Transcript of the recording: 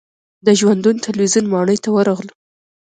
د ژوندون تلویزیون ماڼۍ ته ورغلو.